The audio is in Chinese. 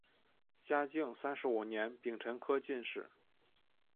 嘉靖三十五年丙辰科进士。